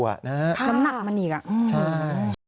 ทำหนักมันอีกอ่ะอืมใช่